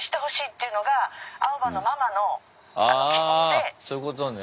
ああそういうことね。